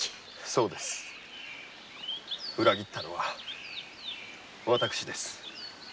そうです裏切ったのは私です。